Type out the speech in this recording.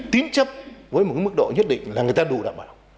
tín chấp với một mức độ nhất định là người ta đủ đảm bảo